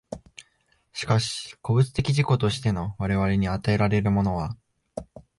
しかし個物的自己としての我々に与えられるものは、